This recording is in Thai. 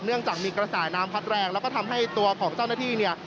เนื่องจากมีกระแสน้ำพัดแรงแล้วก็ทำให้ตัวของเจ้าหน้าที่เนี่ย